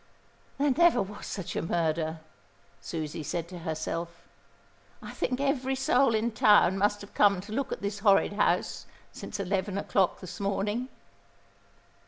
"There never was such a murder," Susie said to herself. "I think every soul in town must have come to look at this horrid house since eleven o'clock this morning."